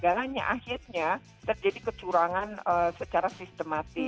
jadi gala galanya akhirnya terjadi kecurangan secara sistematis